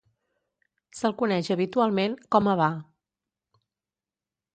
Se'l coneix habitualment com Havà.